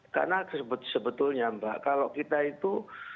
karena sebetulnya mbak kalau kita itu